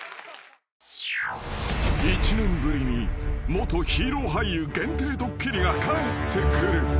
［１年ぶりに元ヒーロー俳優限定ドッキリがかえってくる］